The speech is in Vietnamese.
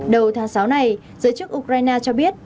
đầu tháng sáu này giới chức ukraine cho biết